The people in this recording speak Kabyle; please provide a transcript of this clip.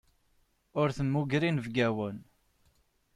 Ur temmuger inebgawen.